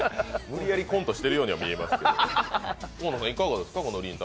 無理やりコントしているようには見えますけど、大野さんいかがですか？